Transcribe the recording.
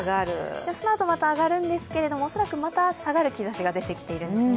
そのあとまた上がるんですけど恐らくまた下がる兆しが出てきているんですね。